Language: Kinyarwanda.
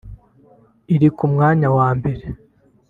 Iri ku mwanya wa mbere